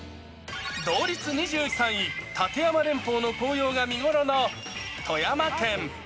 同率２３位、立山連峰の紅葉が見頃の富山県。